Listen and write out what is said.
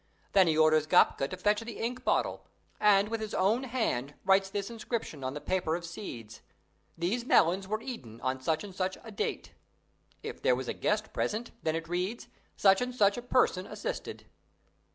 Then he orders Gapka to fetch the ink bottle, and, with his own hand, writes this inscription on the paper of seeds: "These melons were eaten on such and such a date." If there was a guest present, then it reads, "Such and such a person assisted."